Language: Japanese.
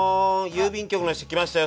郵便局の人来ましたよ」